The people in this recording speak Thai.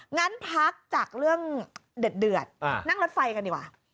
งั้นพักจากเรื่องเดือดนั่งรถไฟกันดีกว่า